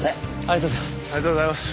ありがとうございます。